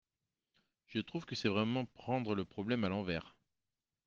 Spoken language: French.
Je trouve que c’est vraiment prendre le problème à l’envers.